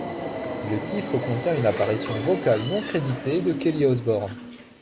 Le titre contient une apparition vocale non créditée de Kelly Osbourne.